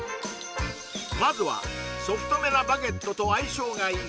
まずはソフトめなバゲットと相性がいい